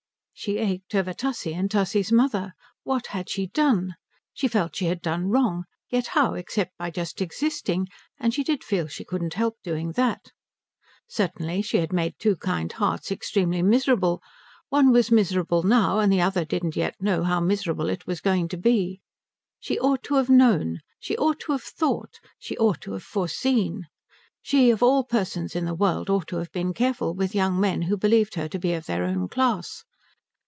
She ached over Tussie and Tussie's mother. What had she done? She felt she had done wrong; yet how, except by just existing? and she did feel she couldn't help doing that. Certainly she had made two kind hearts extremely miserable, one was miserable now, and the other didn't yet know how miserable it was going to be. She ought to have known, she ought to have thought, she ought to have foreseen. She of all persons in the world ought to have been careful with young men who believed her to be of their own class.